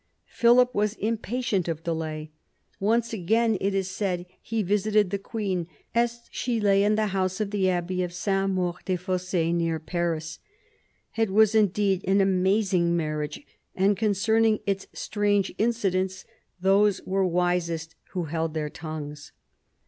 Philip was im patient of delay. Once again, it is said, he visited the queen as she lay in the house of the abbey of S. Maur des Fosses, near Paris. It was indeed an amazing marriage, and concerning its strange incidents, those were wisest who held their tongues.